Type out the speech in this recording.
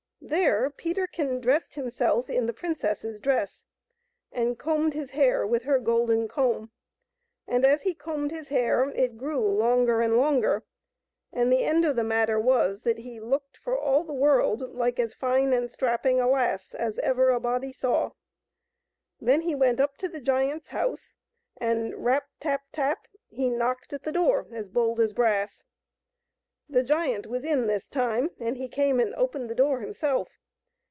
There Peterkin dressed himself in the princess's dress, and combed his hair with her golden comb ; and as he combed his hair it grew longer and longer, and the end of the matter was that he looked for all the world like as fine and strapping a lass as ever a body saw. Then he went up to the giant's house, and — rap ! tap ! tap !— he knocked at the door as bold as brass. The giant was in this time, and he came and opened the door himself.